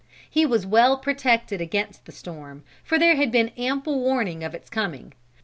He was well protected against the storm, for there had been ample warning of its coming.